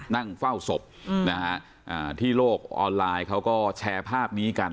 นั่งเฝ้าศพนะฮะที่โลกออนไลน์เขาก็แชร์ภาพนี้กัน